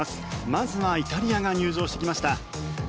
まずはイタリアが入場してきました。